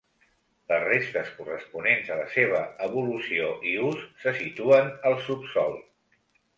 Les restes corresponents a la seva evolució i ús se situen al subsòl.